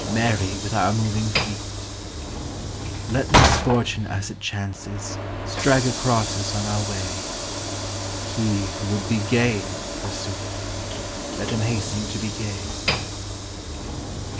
Merry with our moving feet ! Let misfortune as it chances Strike across us on our way : He who would be gay, forsooth, Let him hasten to be gay.